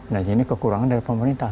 nah ini kekurangan dari pemerintah